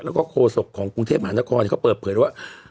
แล้วก็โฆษกของกรุงเทพมหานครเขาเปิดเผยว่า